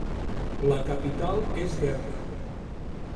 La capital és Derna.